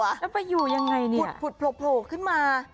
มันไปอยู่อย่างไรเนี่ยค่ะขึ้นมา